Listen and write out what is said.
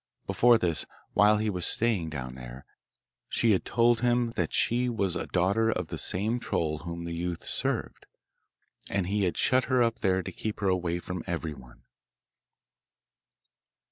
Before this, while he was staying down there, she had told him that she was a daughter of the same troll whom the youth served, and he had shut her up there to keep her away from everyone.